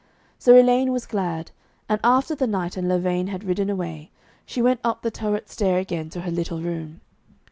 So Elaine was glad, and after the knight and Lavaine had ridden away, she went up the turret stair again to her little room.